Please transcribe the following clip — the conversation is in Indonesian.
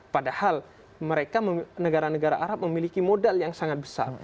padahal mereka negara negara arab memiliki modal yang sangat besar